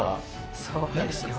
そうですね。